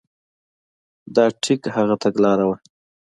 دا ټیک هغه تګلاره وه.